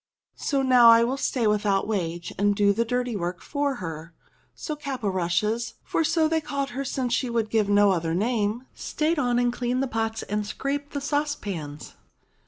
" So now I will stay without wage and do the dirty work for her." So Caporushes — for so they called her since she would give no other name — stayed on and cleaned the pots and scraped the saucepans.